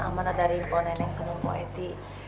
amanat dari ibu nenek sama umi